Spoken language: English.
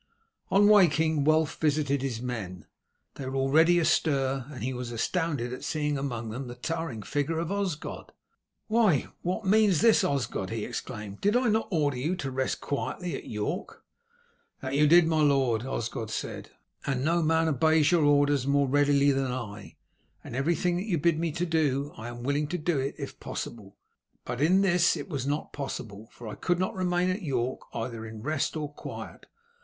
On waking, Wulf visited his men. They were already astir, and he was astounded at seeing among them the towering figure of Osgod. "Why, what means this, Osgod?" he exclaimed. "Did I not order you to rest quietly at York?" "That did you, my lord," Osgod said, "and no man obeys your orders more readily than I, and anything that you bid me do I am willing to do if possible; but in this it was not possible, for I could not remain at York, either in rest or quiet.